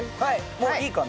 もういいかな？